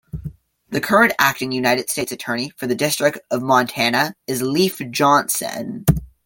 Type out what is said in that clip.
The current Acting United States Attorney for the District of Montana is Leif Johnson.